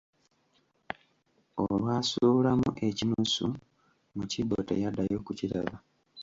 Olwasuulamu ekinusu mu kibbo teyaddayo kukiraba.